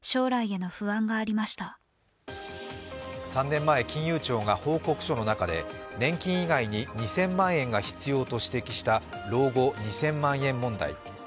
３年前金融庁が報告書の中で年金以外に２０００万円が必要と指摘した老後２０００万円問題。